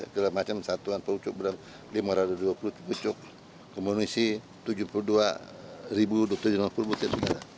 keluarga macam satuan pembelian lima ratus dua puluh dua pucuk komunisi tujuh puluh dua dua ratus lima puluh butir